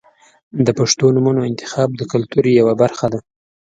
• د پښتو نومونو انتخاب د کلتور یوه برخه ده.